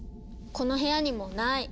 この部屋にもない！